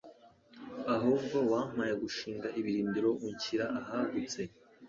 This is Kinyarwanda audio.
ahubwo wampaye gushinga ibirindiro unshyira ahagutse